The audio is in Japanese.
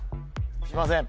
いません